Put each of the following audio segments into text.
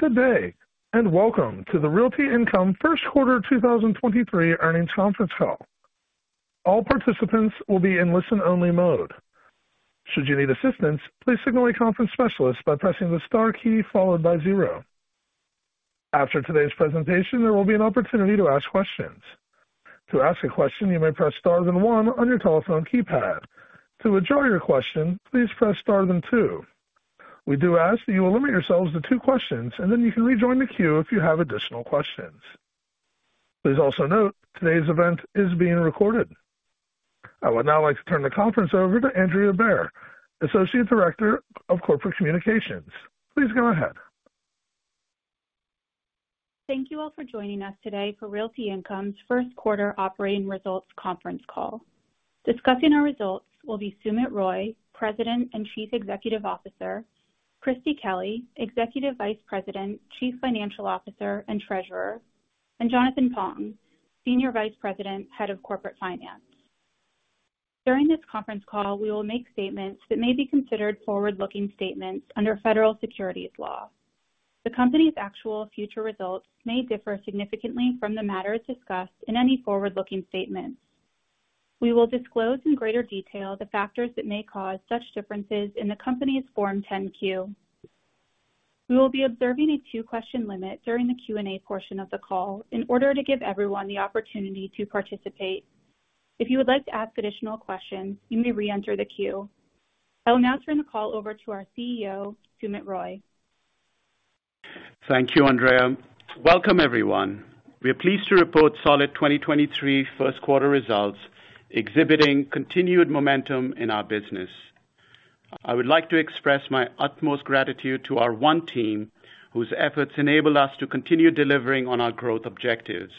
Good day. Welcome to the Realty Income first quarter 2023 earnings conference call. All participants will be in listen-only mode. Should you need assistance, please signal a conference specialist by pressing the star key followed by zero. After today's presentation, there will be an opportunity to ask questions. To ask a question, you may press star then one on your telephone keypad. To withdraw your question, please press star then two. We do ask that you limit yourselves to two questions. Then you can rejoin the queue if you have additional questions. Please also note today's event is being recorded. I would now like to turn the conference over to Andrea Behr, Associate Director, Corporate Communications. Please go ahead. Thank you all for joining us today for Realty Income's first quarter operating results conference call. Discussing our results will be Sumit Roy, President and Chief Executive Officer, Christie Kelly, Executive Vice President, Chief Financial Officer, and Treasurer, and Jonathan Ponton, Senior Vice President, Head of Corporate Finance. During this conference call, we will make statements that may be considered forward-looking statements under Federal Securities law. The company's actual future results may differ significantly from the matters discussed in any forward-looking statement. We will disclose in greater detail the factors that may cause such differences in the company's Form 10-Q. We will be observing a 2-question limit during the Q&A portion of the call in order to give everyone the opportunity to participate. If you would like to ask additional questions, you may re-enter the queue. I will now turn the call over to our CEO, Sumit Roy. Thank you, Andrea. Welcome, everyone. We are pleased to report solid 2023 first quarter results exhibiting continued momentum in our business. I would like to express my utmost gratitude to our one team, whose efforts enable us to continue delivering on our growth objectives.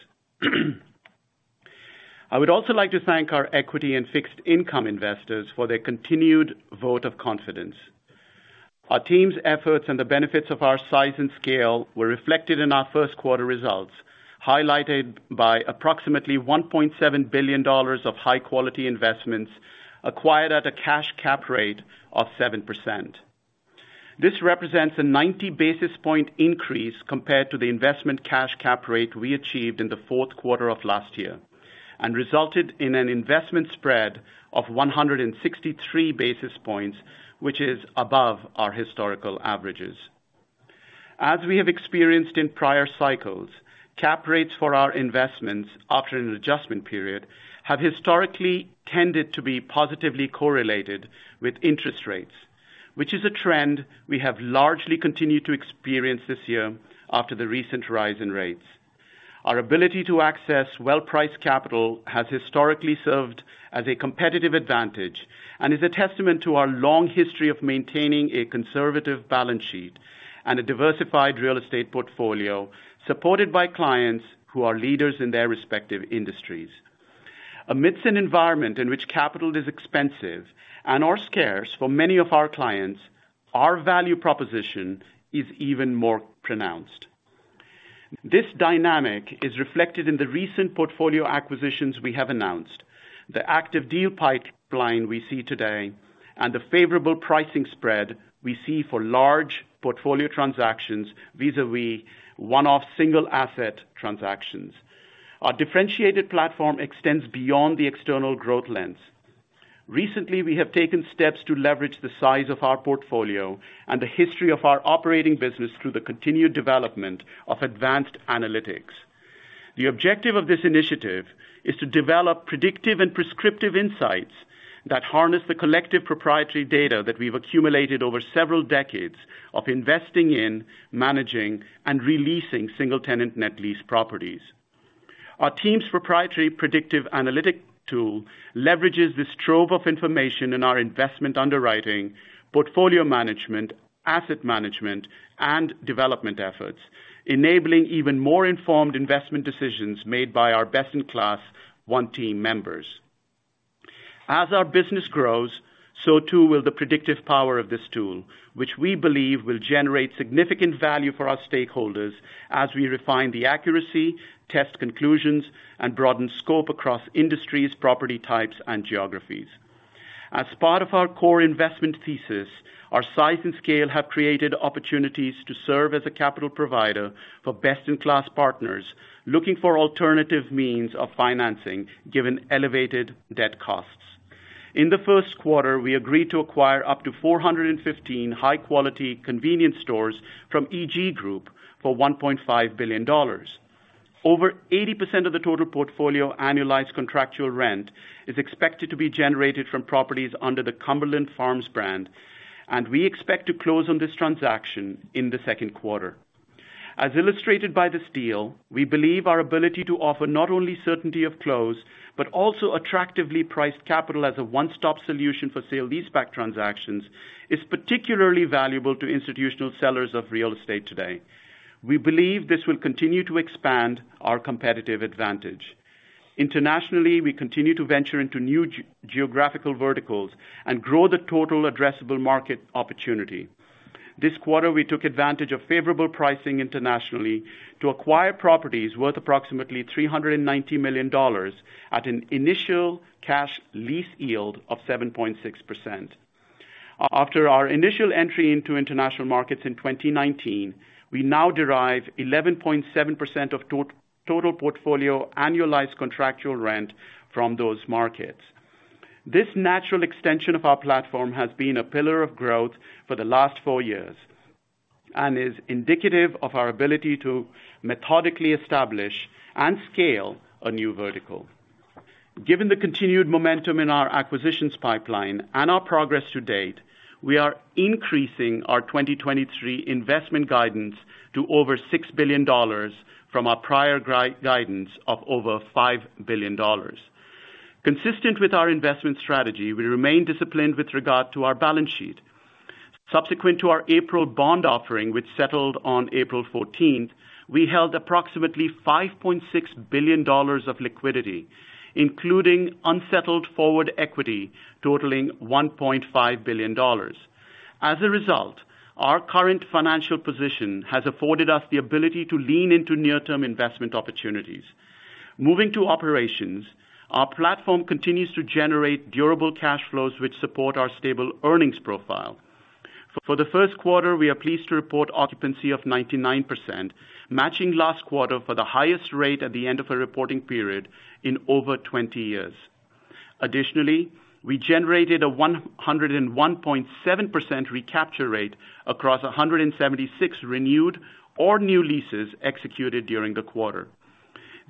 I would also like to thank our equity and fixed income investors for their continued vote of confidence. Our team's efforts and the benefits of our size and scale were reflected in our first quarter results, highlighted by approximately $1.7 billion of high-quality investments acquired at a cash cap rate of 7%. This represents a 90 basis point increase compared to the investment cash cap rate we achieved in the fourth quarter of last year and resulted in an investment spread of 163 basis points, which is above our historical averages. As we have experienced in prior cycles, cap rates for our investments after an adjustment period have historically tended to be positively correlated with interest rates, which is a trend we have largely continued to experience this year after the recent rise in rates. Our ability to access well-priced capital has historically served as a competitive advantage and is a testament to our long history of maintaining a conservative balance sheet and a diversified real estate portfolio supported by clients who are leaders in their respective industries. Amidst an environment in which capital is expensive and or scarce for many of our clients, our value proposition is even more pronounced. This dynamic is reflected in the recent portfolio acquisitions we have announced, the active deal pipeline we see today, and the favorable pricing spread we see for large portfolio transactions vis-a-vis one-off single asset transactions. Our differentiated platform extends beyond the external growth lens. Recently, we have taken steps to leverage the size of our portfolio and the history of our operating business through the continued development of advanced analytics. The objective of this initiative is to develop predictive and prescriptive insights that harness the collective proprietary data that we've accumulated over several decades of investing in, managing, and releasing single-tenant net lease properties. Our team's proprietary predictive analytic tool leverages this trove of information in our investment underwriting, portfolio management, asset management, and development efforts, enabling even more informed investment decisions made by our best-in-class 1 team members. As our business grows, so too will the predictive power of this tool, which we believe will generate significant value for our stakeholders as we refine the accuracy, test conclusions, and broaden scope across industries, property types, and geographies. As part of our core investment thesis, our size and scale have created opportunities to serve as a capital provider for best-in-class partners looking for alternative means of financing, given elevated debt costs. In the first quarter, we agreed to acquire up to 415 high-quality convenience stores from EG Group for $1.5 billion. Over 80% of the total portfolio annualized contractual rent is expected to be generated from properties under the Cumberland Farms brand, and we expect to close on this transaction in the second quarter. As illustrated by this deal, we believe our ability to offer not only certainty of close, but also attractively priced capital as a one-stop solution for sale-leaseback transactions is particularly valuable to institutional sellers of real estate today. We believe this will continue to expand our competitive advantage. Internationally, we continue to venture into new geographical verticals and grow the total addressable market opportunity. This quarter, we took advantage of favorable pricing internationally to acquire properties worth approximately $390 million at an initial cash lease yield of 7.6%. After our initial entry into international markets in 2019, we now derive 11.7% of total portfolio annualized contractual rent from those markets. This natural extension of our platform has been a pillar of growth for the last 4 years, is indicative of our ability to methodically establish and scale a new vertical. Given the continued momentum in our acquisitions pipeline and our progress to date, we are increasing our 2023 investment guidance to over $6 billion from our prior guidance of over $5 billion. Consistent with our investment strategy, we remain disciplined with regard to our balance sheet. Subsequent to our April bond offering, which settled on April 14th, we held approximately $5.6 billion of liquidity, including unsettled forward equity totaling $1.5 billion. Our current financial position has afforded us the ability to lean into near-term investment opportunities. Moving to operations, our platform continues to generate durable cash flows which support our stable earnings profile. For the first quarter, we are pleased to report occupancy of 99%, matching last quarter for the highest rate at the end of a reporting period in over 20 years. We generated a 101.7% recapture rate across 176 renewed or new leases executed during the quarter.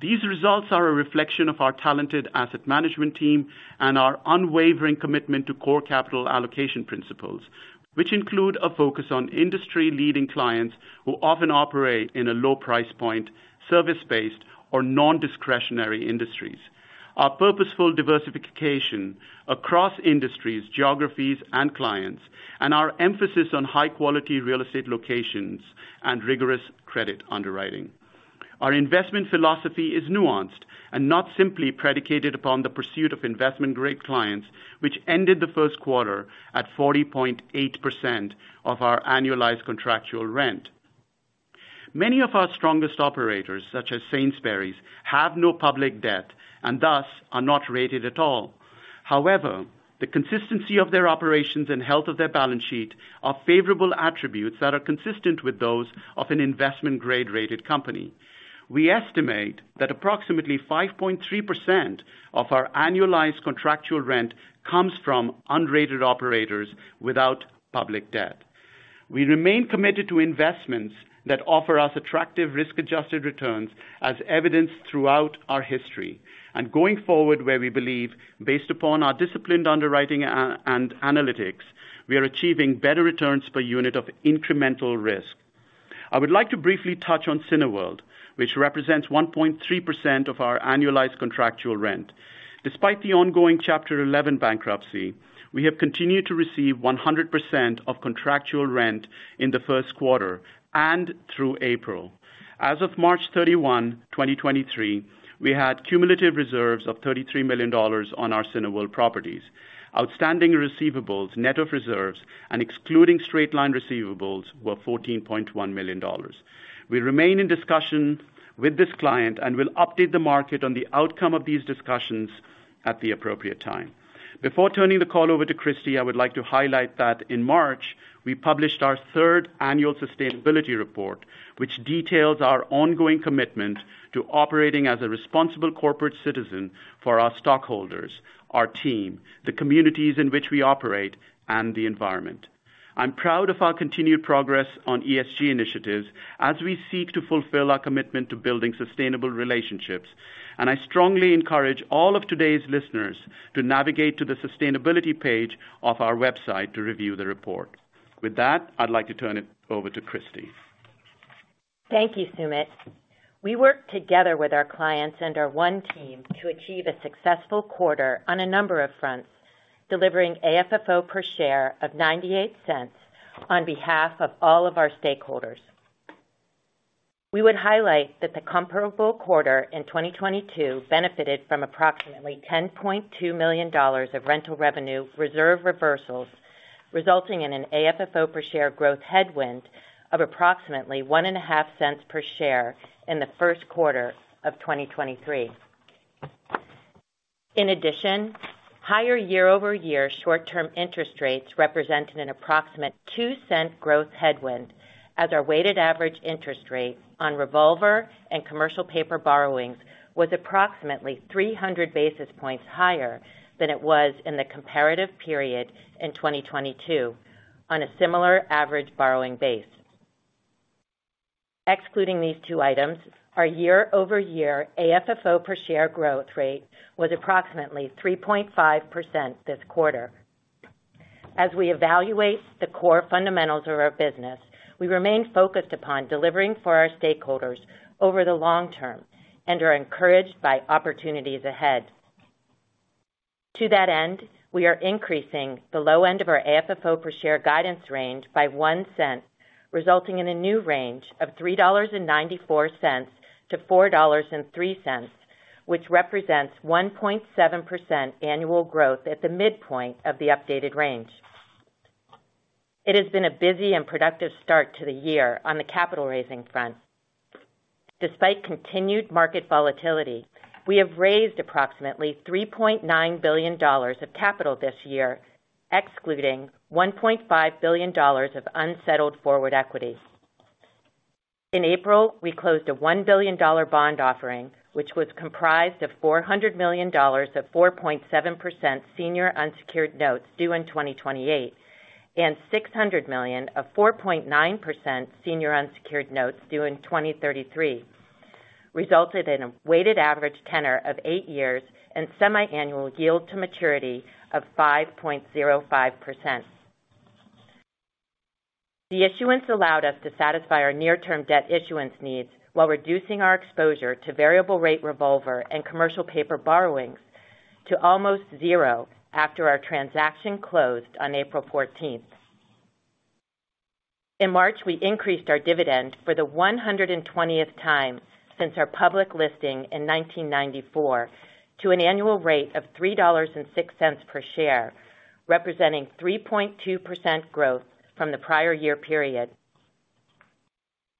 These results are a reflection of our talented asset management team and our unwavering commitment to core capital allocation principles, which include a focus on industry-leading clients who often operate in a low price point, service-based or non-discretionary industries. Our purposeful diversification across industries, geographies, and clients, and our emphasis on high-quality real estate locations and rigorous credit underwriting. Our investment philosophy is nuanced and not simply predicated upon the pursuit of investment-grade clients, which ended the first quarter at 40.8% of our annualized contractual rent. Many of our strongest operators, such as Sainsbury's, have no public debt, and thus are not rated at all. However, the consistency of their operations and health of their balance sheet are favorable attributes that are consistent with those of an investment-grade rated company. We estimate that approximately 5.3% of our annualized contractual rent comes from unrated operators without public debt. We remain committed to investments that offer us attractive risk-adjusted returns as evidenced throughout our history, and going forward where we believe, based upon our disciplined underwriting and analytics, we are achieving better returns per unit of incremental risk. I would like to briefly touch on Cineworld, which represents 1.3% of our annualized contractual rent. Despite the ongoing Chapter 11 bankruptcy, we have continued to receive 100% of contractual rent in the first quarter and through April. As of March 31, 2023, we had cumulative reserves of $33 million on our Cineworld properties. Outstanding receivables, net of reserves, and excluding straight-line receivables, were $14.1 million. We remain in discussion with this client, and will update the market on the outcome of these discussions at the appropriate time. Before turning the call over to Christie, I would like to highlight that in March, we published our third annual sustainability report, which details our ongoing commitment to operating as a responsible corporate citizen for our stockholders, our team, the communities in which we operate, and the environment. I'm proud of our continued progress on ESG initiatives as we seek to fulfill our commitment to building sustainable relationships, and I strongly encourage all of today's listeners to navigate to the sustainability page of our website to review the report. With that, I'd like to turn it over to Christie. Thank you, Sumit. We worked together with our clients and our one team to achieve a successful quarter on a number of fronts, delivering AFFO per share of $0.98 on behalf of all of our stakeholders. We would highlight that the comparable quarter in 2022 benefited from approximately $10.2 million of rental revenue reserve reversals, resulting in an AFFO per share growth headwind of approximately $0.015 per share in the first quarter of 2023. In addition, higher year-over-year short-term interest rates represented an approximate $0.02 growth headwind as our weighted average interest rate on revolver and commercial paper borrowings was approximately 300 basis points higher than it was in the comparative period in 2022 on a similar average borrowing base. Excluding these two items, our year-over-year AFFO per share growth rate was approximately 3.5% this quarter. As we evaluate the core fundamentals of our business, we remain focused upon delivering for our stakeholders over the long term and are encouraged by opportunities ahead. To that end, we are increasing the low end of our AFFO per share guidance range by $0.01, resulting in a new range of $3.94-$4.03, which represents 1.7% annual growth at the midpoint of the updated range. It has been a busy and productive start to the year on the capital raising front. Despite continued market volatility, we have raised approximately $3.9 billion of capital this year, excluding $1.5 billion of unsettled forward equity. In April, we closed a $1 billion bond offering, which was comprised of $400 million of 4.7% senior unsecured notes due in 2028 and $600 million of 4.9% senior unsecured notes due in 2033, resulted in a weighted average tenor of 8 years and semiannual yield to maturity of 5.05%. The issuance allowed us to satisfy our near-term debt issuance needs while reducing our exposure to variable rate revolver and commercial paper borrowings to almost zero after our transaction closed on April 14th. In March, we increased our dividend for the 120th time since our public listing in 1994 to an annual rate of $3.06 per share, representing 3.2% growth from the prior year period.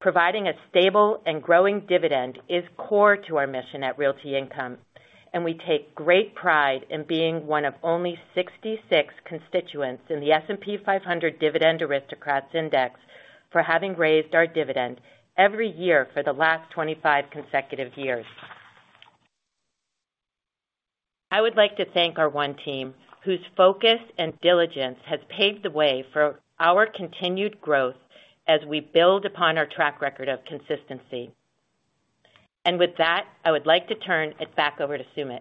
Providing a stable and growing dividend is core to our mission at Realty Income. We take great pride in being one of only 66 constituents in the S&P 500 Dividend Aristocrats Index for having raised our dividend every year for the last 25 consecutive years. I would like to thank our one team whose focus and diligence has paved the way for our continued growth as we build upon our track record of consistency. With that, I would like to turn it back over to Sumit.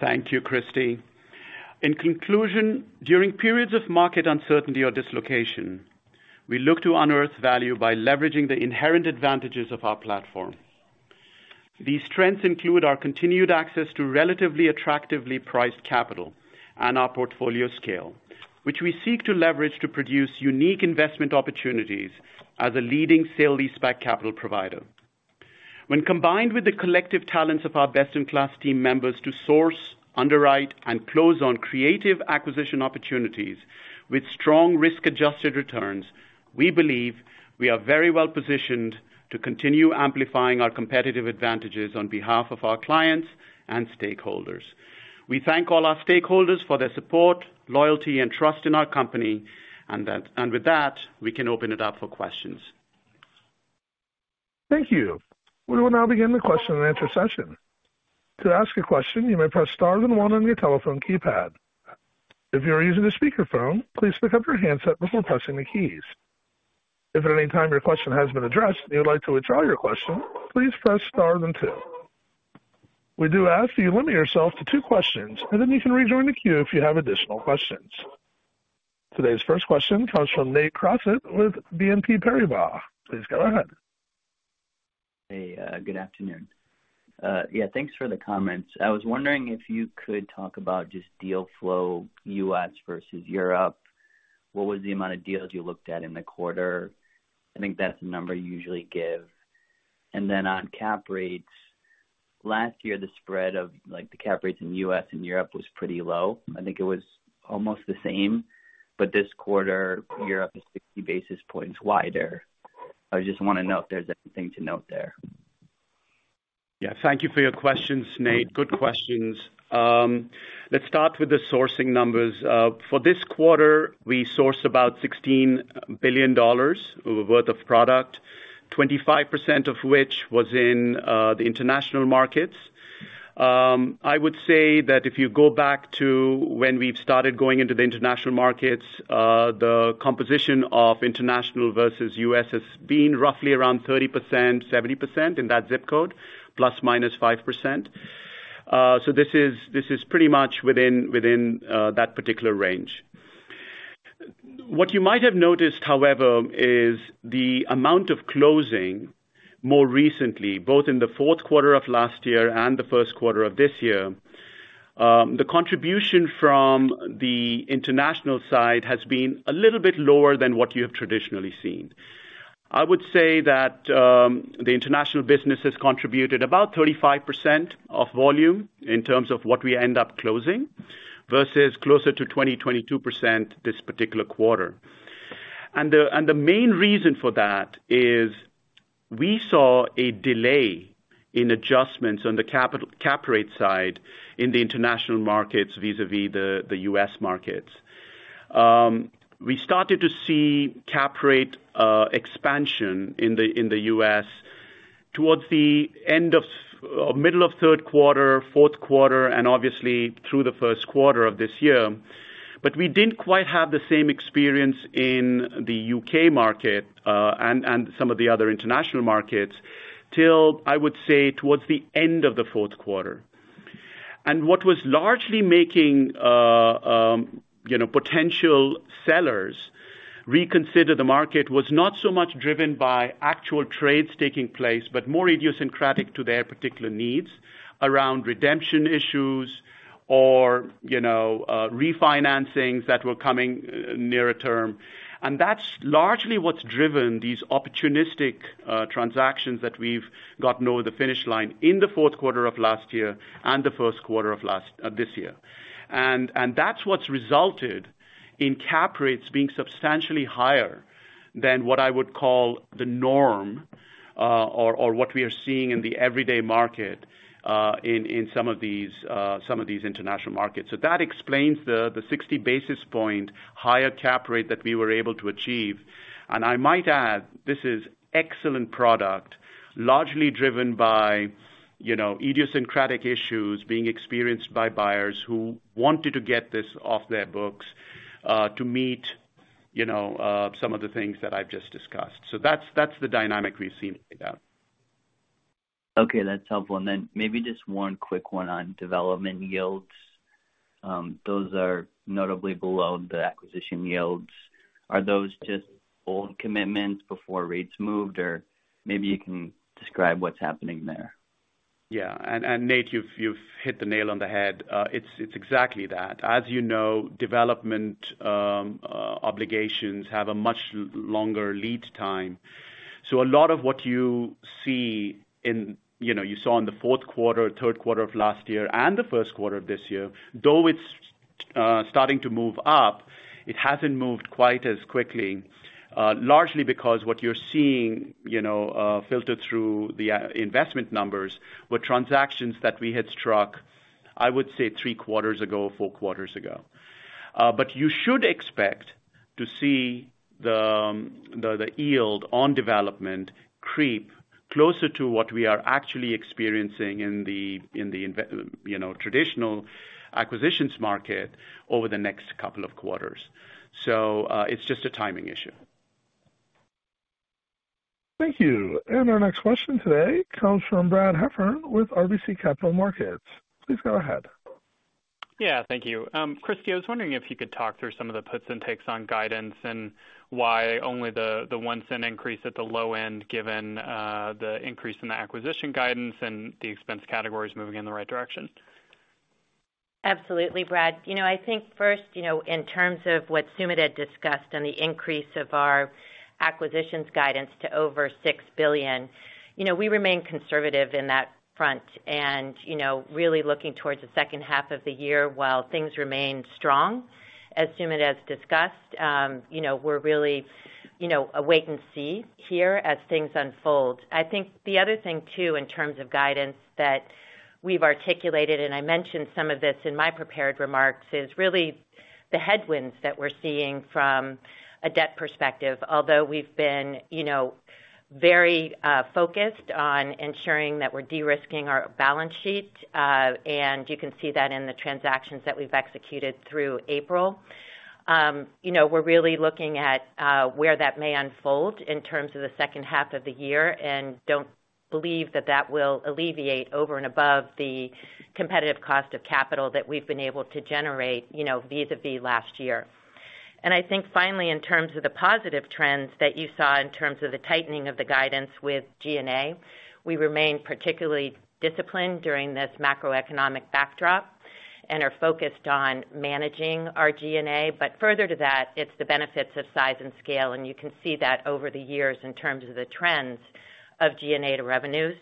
Thank you, Christie. In conclusion, during periods of market uncertainty or dislocation, we look to unearth value by leveraging the inherent advantages of our platform. These trends include our continued access to relatively attractively priced capital and our portfolio scale, which we seek to leverage to produce unique investment opportunities as a leading sale-leaseback capital provider. When combined with the collective talents of our best-in-class team members to source, underwrite, and close on creative acquisition opportunities with strong risk-adjusted returns, we believe we are very well-positioned to continue amplifying our competitive advantages on behalf of our clients and stakeholders. We thank all our stakeholders for their support, loyalty, and trust in our company. With that, we can open it up for questions. Thank you. We will now begin the question and answer session. To ask a question, you may press star then one on your telephone keypad. If you are using a speakerphone, please pick up your handset before pressing the keys. If at any time your question has been addressed and you would like to withdraw your question, please press star then two. We do ask that you limit yourself to two questions, and then you can rejoin the queue if you have additional questions. Today's first question comes from Nate Crossett with BNP Paribas. Please go ahead. Hey, good afternoon. Yeah, thanks for the comments. I was wondering if you could talk about just deal flow U.S. versus Europe. What was the amount of deals you looked at in the quarter? I think that's the number you usually give. On cap rates. Last year, the spread of like the cap rates in the U.S. and Europe was pretty low. I think it was almost the same. This quarter, Europe is 60 basis points wider. I just wanna know if there's anything to note there. Thank you for your questions, Nate. Good questions. Let's start with the sourcing numbers. For this quarter, we sourced about $16 billion worth of product, 25% of which was in the international markets. I would say that if you go back to when we've started going into the international markets, the composition of international versus U.S. has been roughly around 30%, 70% in that ZIP code, plus minus 5%. This is pretty much within that particular range. What you might have noticed, however, is the amount of closing more recently, both in the fourth quarter of last year and the first quarter of this year, the contribution from the international side has been a little bit lower than what you have traditionally seen. I would say that the international business has contributed about 35% of volume in terms of what we end up closing versus closer to 20%-22% this particular quarter. The main reason for that is we saw a delay in adjustments on the cap rate side in the international markets vis-à-vis the U.S. markets. We started to see cap rate expansion in the U.S. towards the middle of third quarter, fourth quarter, and obviously through the first quarter of this year. We didn't quite have the same experience in the U.K. market and some of the other international markets till, I would say, towards the end of the fourth quarter. What was largely making, you know, potential sellers reconsider the market was not so much driven by actual trades taking place, but more idiosyncratic to their particular needs around redemption issues or, you know, refinancings that were coming nearer term. That's largely what's driven these opportunistic transactions that we've gotten over the finish line in the fourth quarter of last year and the first quarter of this year. That's what's resulted in cap rates being substantially higher than what I would call the norm, or what we are seeing in the everyday market, in some of these, some of these international markets. That explains the 60 basis point higher cap rate that we were able to achieve. I might add, this is excellent product, largely driven by, you know, idiosyncratic issues being experienced by buyers who wanted to get this off their books, to meet, you know, some of the things that I've just discussed. That's, that's the dynamic we've seen with that. Okay, that's helpful. Maybe just one quick one on development yields. Those are notably below the acquisition yields. Are those just old commitments before rates moved? Or maybe you can describe what's happening there. Yeah. Nate, you've hit the nail on the head. It's exactly that. As you know, development obligations have a much longer lead time. A lot of what you see in you know, you saw in the fourth quarter, third quarter of last year and the first quarter of this year, though it's starting to move up, it hasn't moved quite as quickly, largely because what you're seeing, you know, filtered through the investment numbers were transactions that we had struck, I would say 3 quarters ago, 4 quarters ago. You should expect to see the yield on development creep closer to what we are actually experiencing in the investment you know, traditional acquisitions market over the next couple of quarters. It's just a timing issue. Thank you. Our next question today comes from Brad Heffern with RBC Capital Markets. Please go ahead. Yeah, thank you. Christie, I was wondering if you could talk through some of the puts and takes on guidance and why only the 1 cent increase at the low end given the increase in the acquisition guidance and the expense categories moving in the right direction? Absolutely, Brad. You know, I think first, you know, in terms of what Sumit had discussed and the increase of our acquisitions guidance to over $6 billion, you know, we remain conservative in that front. You know, really looking towards the second half of the year, while things remain strong. As Sumit has discussed, you know, we're really, you know, a wait and see here as things unfold. I think the other thing too, in terms of guidance that we've articulated, and I mentioned some of this in my prepared remarks, is really the headwinds that we're seeing from a debt perspective. Although we've been, you know, very focused on ensuring that we're de-risking our balance sheet, and you can see that in the transactions that we've executed through April. You know, we're really looking at where that may unfold in terms of the second half of the year and don't believe that that will alleviate over and above the competitive cost of capital that we've been able to generate, you know, vis-à-vis last year. I think finally, in terms of the positive trends that you saw in terms of the tightening of the guidance with G&A, we remain particularly disciplined during this macroeconomic backdrop and are focused on managing our G&A. Further to that, it's the benefits of size and scale, and you can see that over the years in terms of the trends of G&A to revenues.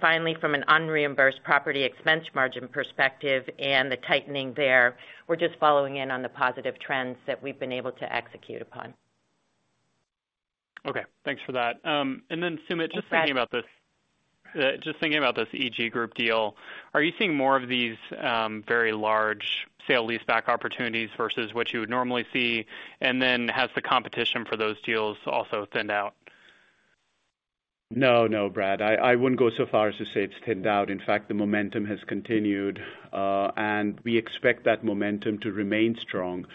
Finally, from an unreimbursed property expense margin perspective and the tightening there, we're just following in on the positive trends that we've been able to execute upon. Okay, thanks for that. Sumit. Thanks, Brad. Just thinking about this EG Group deal, are you seeing more of these, very large sale-leaseback opportunities versus what you would normally see? Has the competition for those deals also thinned out? No, no, Brad. I wouldn't go so far as to say it's thinned out. In fact, the momentum has continued, and we expect that momentum to remain strong.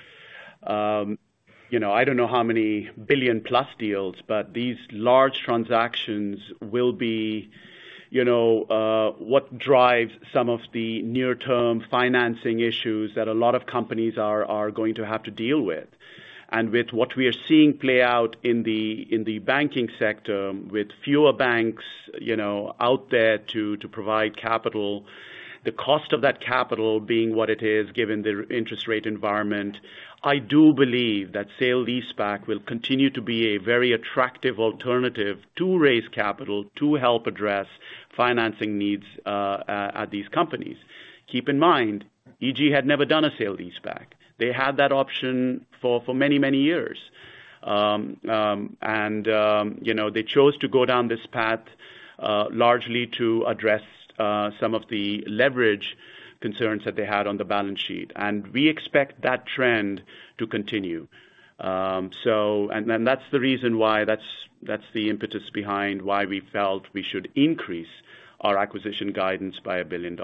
You know, I don't know how many billion-plus deals, but these large transactions will be, you know, what drives some of the near-term financing issues that a lot of companies are going to have to deal with. With what we are seeing play out in the banking sector with fewer banks, you know, out there to provide capital, the cost of that capital being what it is given the interest rate environment, I do believe that sale-leaseback will continue to be a very attractive alternative to raise capital to help address financing needs at these companies. Keep in mind, EG had never done a sale-leaseback. They had that option for many, many years. You know, they chose to go down this path, largely to address some of the leverage concerns that they had on the balance sheet. We expect that trend to continue. That's the reason why that's the impetus behind why we felt we should increase our acquisition guidance by $1 billion.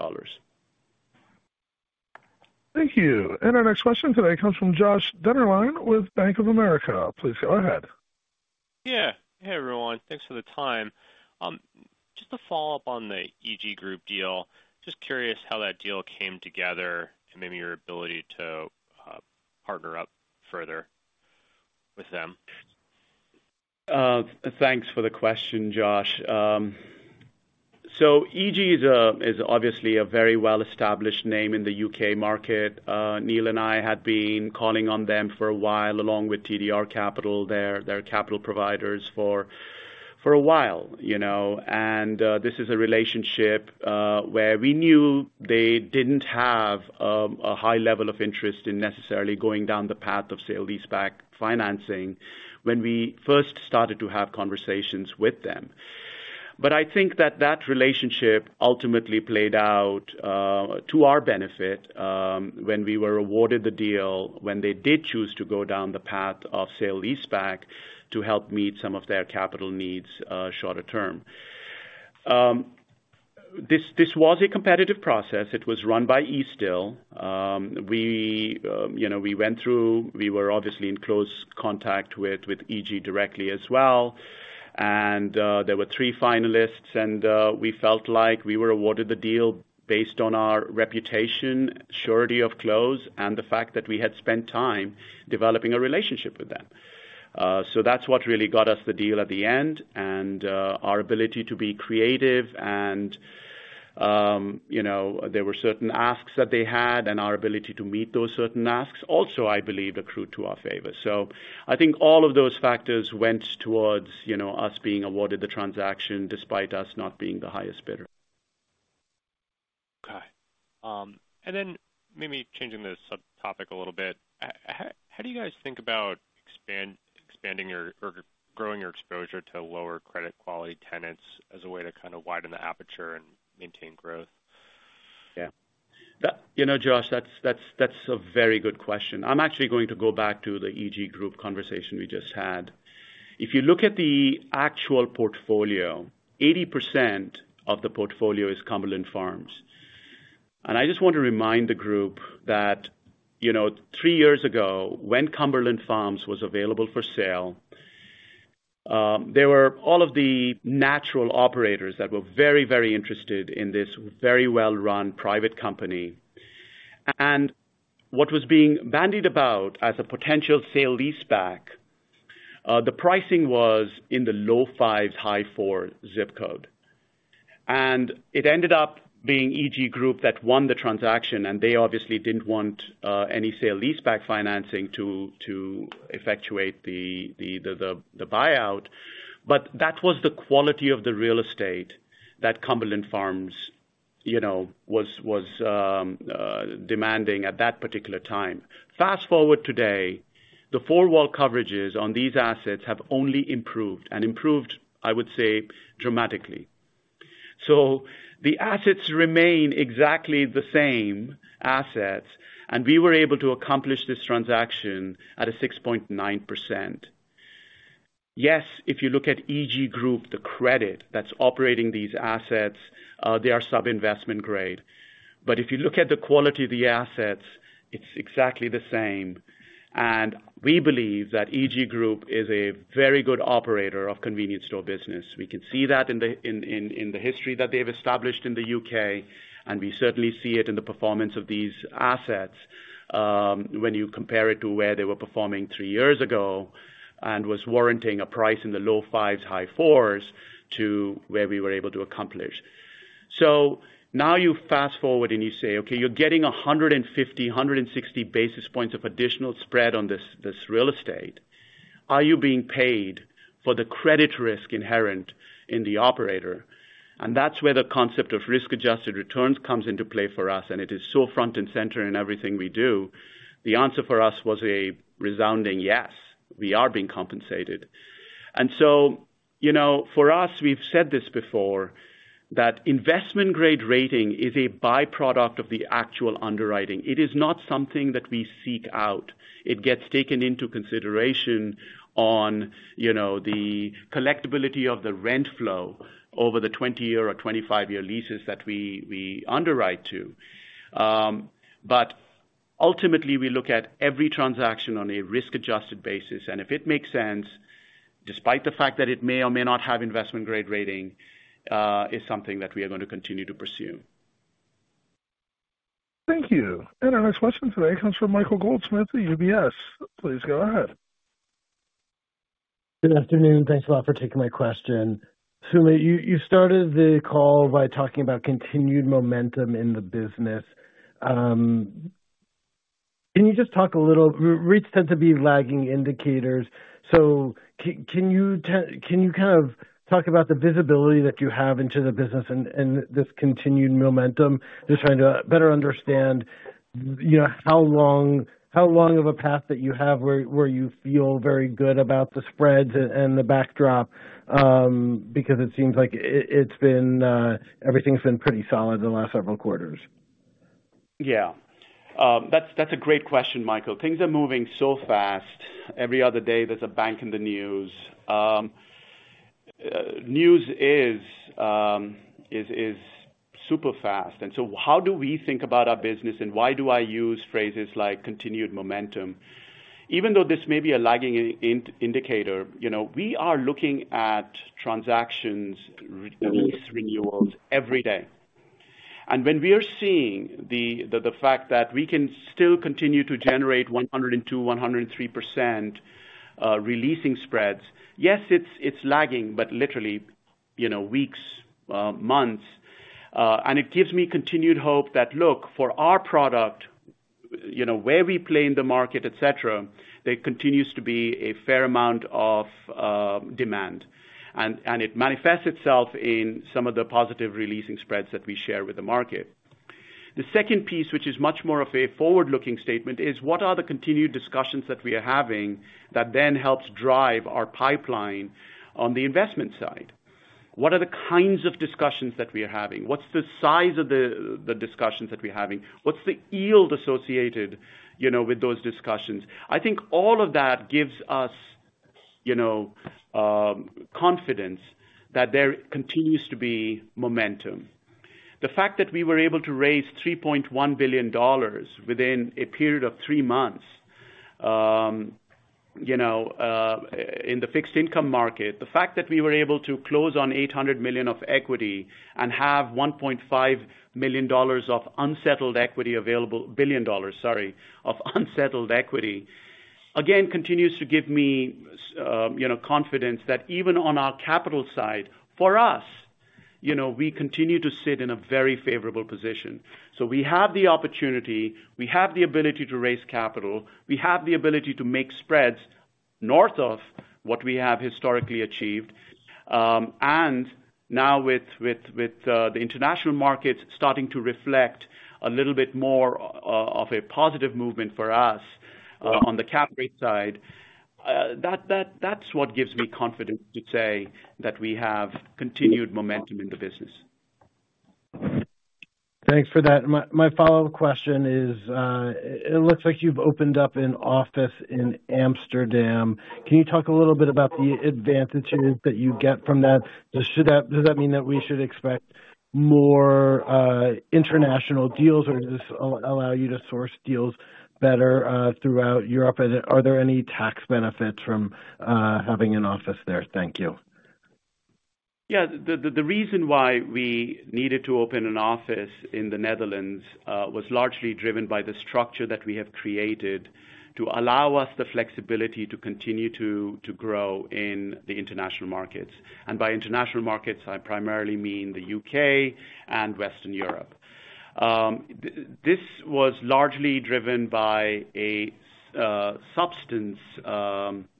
Thank you. Our next question today comes from Joshua Dennerlein with Bank of America. Please go ahead. Hey, everyone. Thanks for the time. Just to follow up on the EG Group deal. Just curious how that deal came together and maybe your ability to partner up further with them. Thanks for the question, Josh. EG is obviously a very well-established name in the U.K. market. Neil and I had been calling on them for a while, along with TDR Capital, their capital providers for a while, you know, this is a relationship where we knew they didn't have a high level of interest in necessarily going down the path of sale-leaseback financing when we first started to have conversations with them. I think that that relationship ultimately played out to our benefit when we were awarded the deal, when they did choose to go down the path of sale-leaseback to help meet some of their capital needs shorter term. This was a competitive process. It was run by Eastdil. We, you know, we went through... We were obviously in close contact with EG directly as well. There were three finalists and we felt like we were awarded the deal based on our reputation, surety of close, and the fact that we had spent time developing a relationship with them. That's what really got us the deal at the end and our ability to be creative and, you know, there were certain asks that they had and our ability to meet those certain asks also, I believe, accrued to our favor. I think all of those factors went towards, you know, us being awarded the transaction despite us not being the highest bidder. Okay. Maybe changing the subtopic a little bit. How do you guys think about expanding your or growing your exposure to lower credit quality tenants as a way to kinda widen the aperture and maintain growth? You know, Josh, that's a very good question. I'm actually going to go back to the EG Group conversation we just had. If you look at the actual portfolio, 80% of the portfolio is Cumberland Farms. I just want to remind the group that, you know, 3 years ago, when Cumberland Farms was available for sale, there were all of the natural operators that were very, very interested in this very well-run private company. What was being bandied about as a potential sale-leaseback, the pricing was in the low 5s, high 4s zip code. It ended up being EG Group that won the transaction, and they obviously didn't want any sale-leaseback financing to effectuate the buyout, but that was the quality of the real estate that Cumberland Farms, you know, was demanding at that particular time. Fast-forward today, the four wall coverages on these assets have only improved, I would say, dramatically. The assets remain exactly the same assets, and we were able to accomplish this transaction at a 6.9%. Yes, if you look at EG Group, the credit that's operating these assets, they are sub-investment grade. If you look at the quality of the assets, it's exactly the same. We believe that EG Group is a very good operator of convenience store business. We can see that in the history that they've established in the U.K., we certainly see it in the performance of these assets, when you compare it to where they were performing 3 years ago and was warranting a price in the low fives, high fours to where we were able to accomplish. Now you fast-forward and you say, "Okay, you're getting 150, 160 basis points of additional spread on this real estate. Are you being paid for the credit risk inherent in the operator?" That's where the concept of risk-adjusted returns comes into play for us, and it is so front and center in everything we do. The answer for us was a resounding yes, we are being compensated. You know, for us, we've said this before, that investment grade rating is a by-product of the actual underwriting. It is not something that we seek out. It gets taken into consideration on, you know, the collectibility of the rent flow over the 20-year or 25-year leases that we underwrite to. But ultimately, we look at every transaction on a risk-adjusted basis, and if it makes sense, despite the fact that it may or may not have investment grade rating, is something that we are gonna continue to pursue. Thank you. Our next question today comes from Michael Goldsmith at UBS. Please go ahead. Good afternoon. Thanks a lot for taking my question. Sumit, you started the call by talking about continued momentum in the business. Can you just talk. Re-rates tend to be lagging indicators, so can you kind of talk about the visibility that you have into the business and this continued momentum? Just trying to better understand, you know, how long of a path that you have where you feel very good about the spreads and the backdrop, because it seems like it's been everything's been pretty solid the last several quarters. Yeah. That's a great question, Michael. Things are moving so fast. Every other day, there's a bank in the news. News is super fast. How do we think about our business, and why do I use phrases like continued momentum? Even though this may be a lagging indicator, you know, we are looking at transactions lease renewals every day. When we are seeing the fact that we can still continue to generate 102%, 103% releasing spreads, yes, it's lagging, but literally, you know, weeks, months. It gives me continued hope that, look, for our product. You know, where we play in the market, et cetera, there continues to be a fair amount of demand. It manifests itself in some of the positive releasing spreads that we share with the market. The second piece, which is much more of a forward-looking statement, is what are the continued discussions that we are having that then helps drive our pipeline on the investment side? What are the kinds of discussions that we are having? What's the size of the discussions that we're having? What's the yield associated, you know, with those discussions? I think all of that gives us, you know, confidence that there continues to be momentum. The fact that we were able to raise $3.1 billion within a period of three months, you know, in the fixed income market. The fact that we were able to close on $800 million of equity and have $1.5 billion, sorry, of unsettled equity, again, continues to give me, you know, confidence that even on our capital side, for us, you know, we continue to sit in a very favorable position. We have the opportunity, we have the ability to raise capital, we have the ability to make spreads north of what we have historically achieved. Now with the international markets starting to reflect a little bit more of a positive movement for us on the cap rate side, that's what gives me confidence to say that we have continued momentum in the business. Thanks for that. My follow-up question is, it looks like you've opened up an office in Amsterdam. Can you talk a little bit about the advantages that you get from that? Does that mean that we should expect more international deals, or does this allow you to source deals better throughout Europe? Are there any tax benefits from having an office there? Thank you. Yeah. The reason why we needed to open an office in the Netherlands was largely driven by the structure that we have created to allow us the flexibility to continue to grow in the international markets. By international markets, I primarily mean the U.K. and Western Europe. This was largely driven by a substance,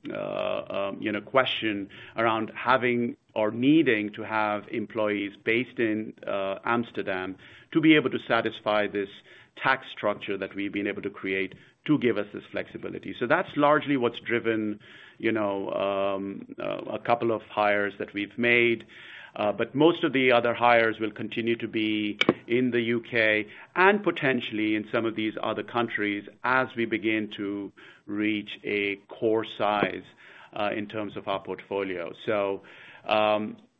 you know, question around having or needing to have employees based in Amsterdam to be able to satisfy this tax structure that we've been able to create to give us this flexibility. That's largely what's driven, you know, a couple of hires that we've made. Most of the other hires will continue to be in the U.K. and potentially in some of these other countries as we begin to reach a core size in terms of our portfolio.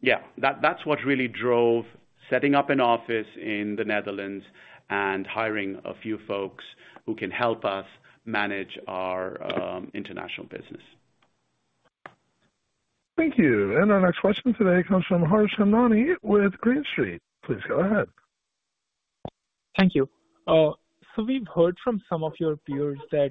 Yeah. That's what really drove setting up an office in the Netherlands and hiring a few folks who can help us manage our international business. Thank you. Our next question today comes from Harshavardhan Agadi with Green Street. Please go ahead. Thank you. We've heard from some of your peers that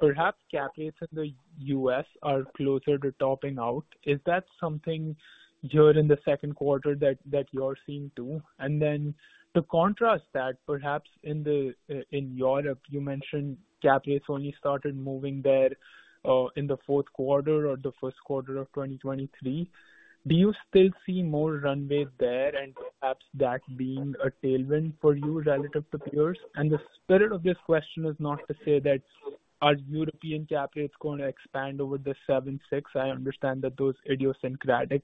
perhaps cap rates in the U.S. are closer to topping out. Is that something you're in the second quarter that you're seeing too? Then to contrast that perhaps in Europe, you mentioned cap rates only started moving there in the fourth quarter or the first quarter of 2023. Do you still see more runway there and perhaps that being a tailwind for you relative to peers? The spirit of this question is not to say that are European cap rates gonna expand over the 7/6. I understand that those idiosyncratic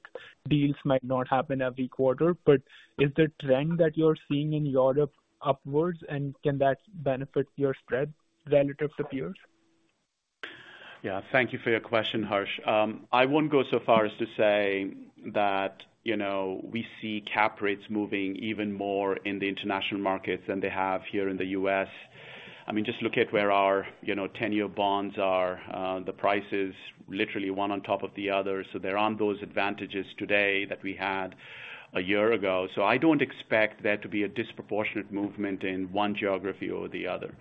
deals might not happen every quarter. Is the trend that you're seeing in Europe upwards, and can that benefit your spread relative to peers? Yeah. Thank you for your question, Harsh. I won't go so far as to say that, you know, we see cap rates moving even more in the international markets than they have here in the U.S. I mean, just look at where our, you know, 10-year bonds are. The price is literally one on top of the other. They're on those advantages today that we had a year ago. I don't expect there to be a disproportionate movement in one geography or the other.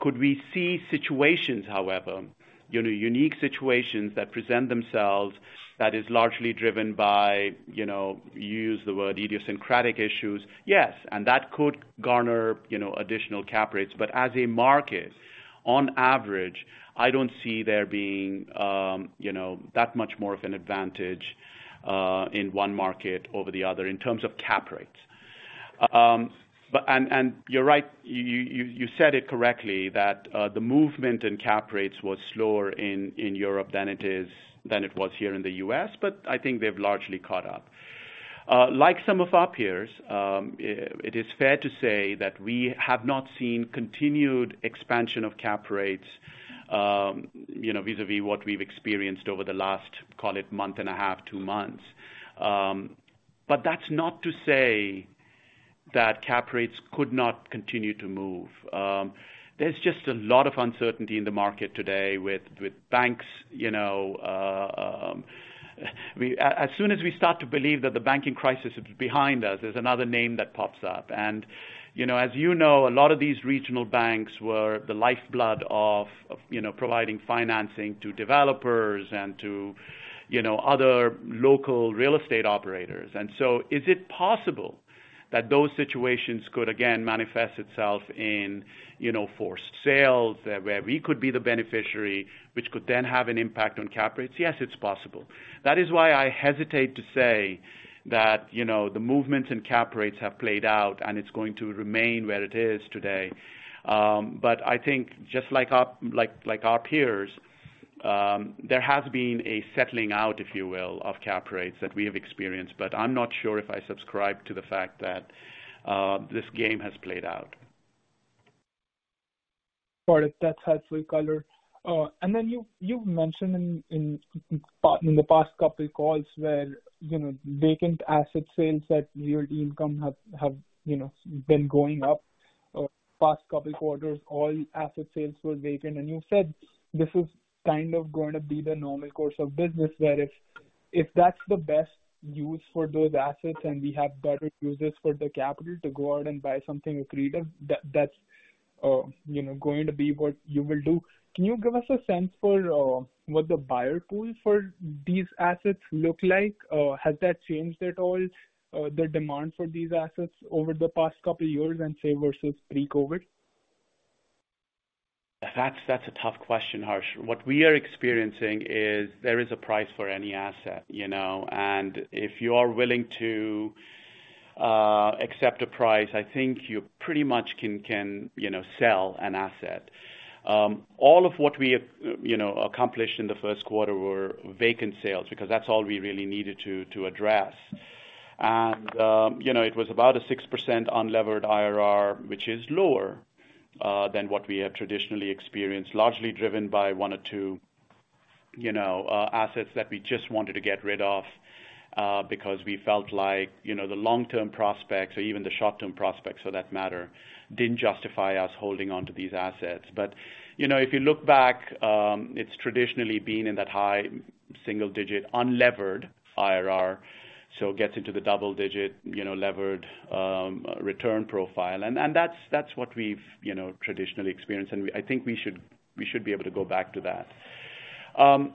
Could we see situations, however, you know, unique situations that present themselves that is largely driven by, you know, you use the word idiosyncratic issues? Yes, that could garner, you know, additional cap rates. As a market, on average, I don't see there being, you know, that much more of an advantage in one market over the other in terms of cap rates. You're right. You said it correctly that the movement in cap rates was slower in Europe than it was here in the U.S., but I think they've largely caught up. Like some of our peers, it is fair to say that we have not seen continued expansion of cap rates, you know, vis-à-vis what we've experienced over the last, call it month and a half, 2 months. That's not to say that cap rates could not continue to move. There's just a lot of uncertainty in the market today with banks, you know. As soon as we start to believe that the banking crisis is behind us, there's another name that pops up. You know, as you know, a lot of these regional banks were the lifeblood of, you know, providing financing to developers and to, you know, other local real estate operators. Is it possible that those situations could again manifest itself in, you know, forced sales, where we could be the beneficiary, which could then have an impact on cap rates? Yes, it's possible. That is why I hesitate to say that, you know, the movements in cap rates have played out, and it's going to remain where it is today. I think just like our peers, there has been a settling out, if you will, of cap rates that we have experienced, but I'm not sure if I subscribe to the fact that this game has played out. Got it. That's helpful color. Then you've mentioned in the past couple calls where, you know, vacant asset sales that yield income have, you know, been going up, past couple quarters, all asset sales were vacant. You said this is kind of going to be the normal course of business, where if that's the best use for those assets, and we have better uses for the capital to go out and buy something accretive, that's, you know, going to be what you will do. Can you give us a sense for what the buyer pool for these assets look like? Has that changed at all, the demand for these assets over the past couple years and say, versus pre-COVID? That's a tough question, Harsh. What we are experiencing is there is a price for any asset, you know. If you are willing to accept a price, I think you pretty much can, you know, sell an asset. All of what we have, you know, accomplished in the first quarter were vacant sales, because that's all we really needed to address. You know, it was about a 6% unlevered IRR, which is lower than what we have traditionally experienced, largely driven by one or two, you know, assets that we just wanted to get rid of, because we felt like, you know, the long-term prospects or even the short-term prospects for that matter, didn't justify us holding onto these assets. You know, if you look back, it's traditionally been in that high single-digit unlevered IRR, so it gets into the double-digit, you know, levered return profile. That's what we've, you know, traditionally experienced, and I think we should be able to go back to that.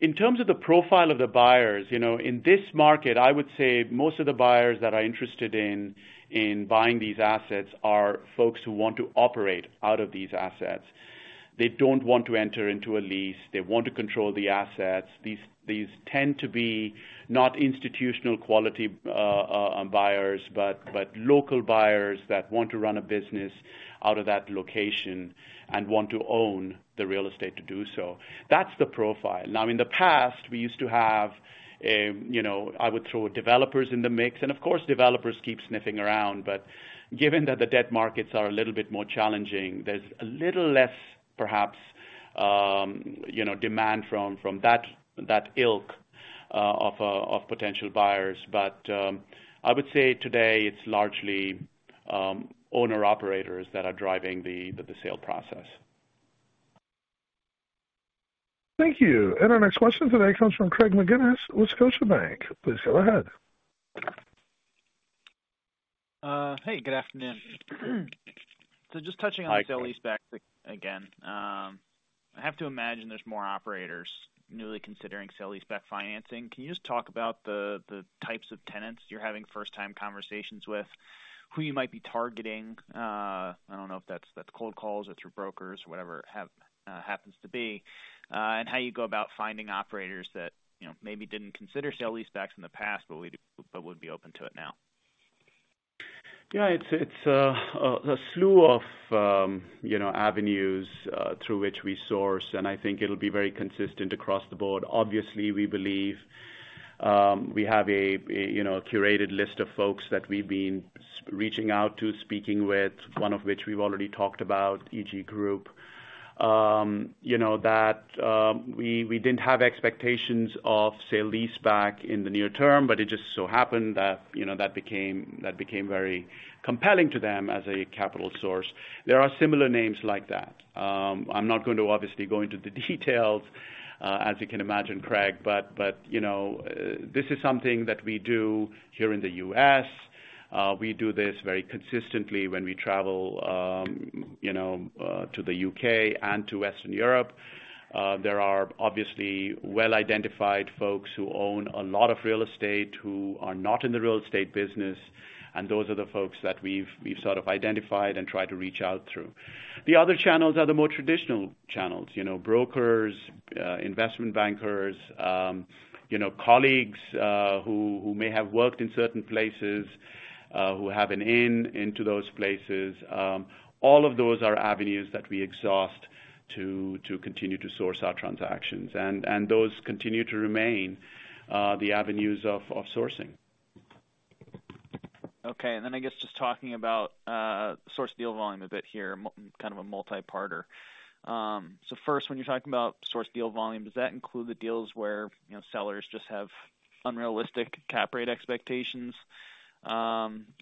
In terms of the profile of the buyers, you know, in this market, I would say most of the buyers that are interested in buying these assets are folks who want to operate out of these assets. They don't want to enter into a lease. They want to control the assets. These tend to be not institutional quality buyers, but local buyers that want to run a business out of that location and want to own the real estate to do so. That's the profile. In the past, we used to have, you know, I would throw developers in the mix, of course, developers keep sniffing around. Given that the debt markets are a little bit more challenging, there's a little less perhaps, you know, demand from that ilk of potential buyers. I would say today it's largely owner-operators that are driving the sale process. Thank you. Our next question today comes from Greg McGinniss, Scotiabank. Please go ahead. Hey, good afternoon. Hi, Greg. On sale-leaseback again. I have to imagine there's more operators newly considering sale-leaseback financing. Can you just talk about the types of tenants you're having first time conversations with, who you might be targeting? I don't know if that's cold calls or through brokers, whatever happens to be. How you go about finding operators that, you know, maybe didn't consider sale-leasebacks in the past, but would be open to it now. Yeah, it's a slew of, you know, avenues through which we source, and I think it'll be very consistent across the board. Obviously, we believe, we have a, you know, a curated list of folks that we've been reaching out to, speaking with, one of which we've already talked about, EG Group. You know, that we didn't have expectations of sale-leaseback in the near term, but it just so happened that, you know, that became very compelling to them as a capital source. There are similar names like that. I'm not going to obviously go into the details, as you can imagine, Greg. You know, this is something that we do here in the U.S. We do this very consistently when we travel, you know, to the U.K. and to Western Europe. There are obviously well-identified folks who own a lot of real estate, who are not in the real estate business, and those are the folks that we've sort of identified and tried to reach out through. The other channels are the more traditional channels. You know, brokers, investment bankers, colleagues who may have worked in certain places, who have an in into those places. All of those are avenues that we exhaust to continue to source our transactions, and those continue to remain the avenues of sourcing. Okay. I guess just talking about source deal volume a bit here, kind of a multi-parter. First, when you're talking about source deal volume, does that include the deals where, you know, sellers just have unrealistic cap rate expectations?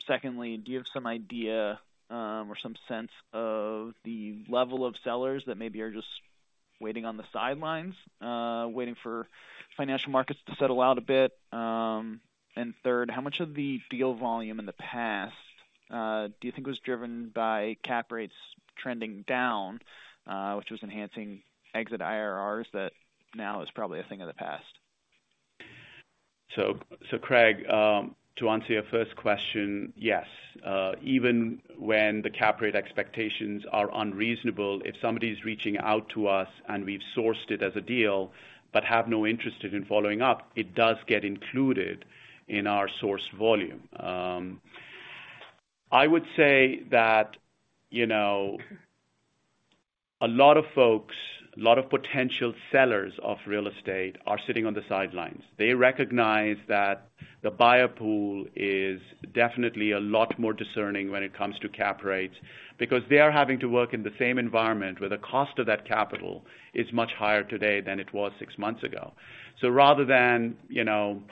Secondly, do you have some idea, or some sense of the level of sellers that maybe are just waiting on the sidelines, waiting for financial markets to settle out a bit? Third, how much of the deal volume in the past, do you think was driven by cap rates trending down, which was enhancing exit IRRs that now is probably a thing of the past? Greg, to answer your first question, yes. Even when the cap rate expectations are unreasonable, if somebody's reaching out to us and we've sourced it as a deal but have no interest in following up, it does get included in our source volume. I would say that, you know, a lot of folks, a lot of potential sellers of real estate are sitting on the sidelines. They recognize that the buyer pool is definitely a lot more discerning when it comes to cap rates because they are having to work in the same environment where the cost of that capital is much higher today than it was six months ago. Rather than, you know,